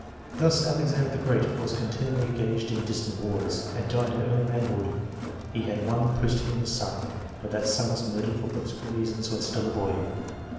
Thus, Alexander the Great was continually engaged in distant wars, and died in early manhood : he had one posthumous son, but that son was murdered for political reasons when still a boy.